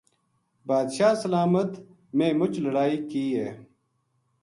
بادشاہ سلامت ! میں مچ لڑائی کئی ہے